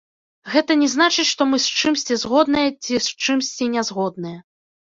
Гэта не значыць, што мы з чымсьці згодныя ці з чымсьці нязгодныя.